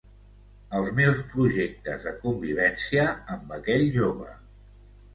Els meus projectes de convivència amb aquell jove.